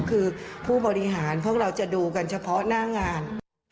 คือผู้บริหารพวกเราจะดูกันเฉพาะหน้างาน